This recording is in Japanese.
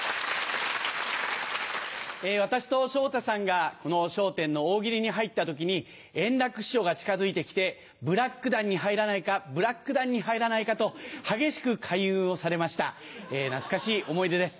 私と昇太さんがこの『笑点』の大喜利に入った時に円楽師匠が近づいて来てブラック団に入らないかブラック団に入らないかと激しく勧誘をされました懐かしい思い出です。